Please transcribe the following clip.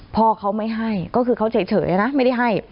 พ่อเขาไม่ให้ก็คือเขาเฉยนะไม่ได้ให้